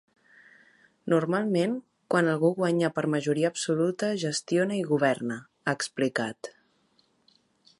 Normalment quan algú guanya per majoria absoluta gestiona i governa, ha explicat.